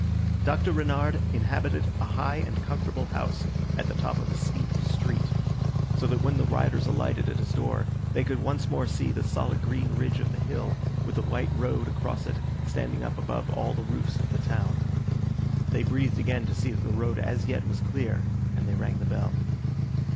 Dr. Renard inhabited a high and comfortable house at the top of a steep street, so that when the riders alighted at his door they could once more see the solid green ridge of the hill, with the white road across it, standing up above all the roofs of the town. They breathed again to see that the road as yet was clear, and they rang the bell.